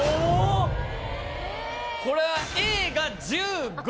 ・これはＡが１５。